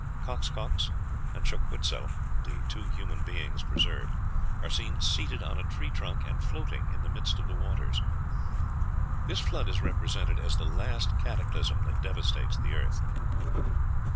Coxcox and Xochiquetzal, the two human beings preserved, are seen seated on a tree trunk and floating in the midst of the waters. This flood is represented as the last cataclysm that devastates the earth."